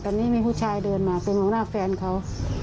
ตอนนี้มีผู้ชายเดินมาไปมองหน้าแฟนเขา